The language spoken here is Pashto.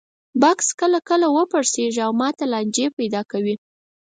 بکس کله کله لږ وپړسېږي او ماته لانجې پیدا کوي.